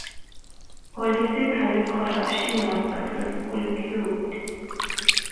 Political corruption was successfully curbed.